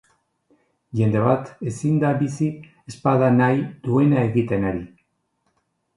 Jende bat ezin da bizi ez bada nahi duena egiten ari.